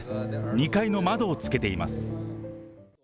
２階の窓をつけています。